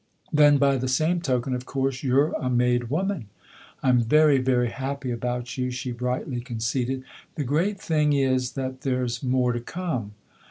"Then by the same token, of course, you're a made woman !"" I'm very, very happy about you," she brightly conceded. " The great thing is that there's more to come."